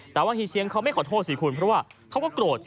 แต่ว่าเฮียเชียงเขาไม่ขอโทษสิคุณเพราะว่าเขาก็โกรธสิ